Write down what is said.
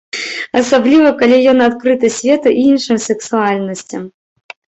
Асабліва, калі ён адкрыты свету і іншым сексуальнасцям.